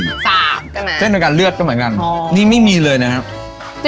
สาบกันนะเส้นเป็นการเลือดกันเหมือนกันอ๋อนี่ไม่มีเลยนะครับ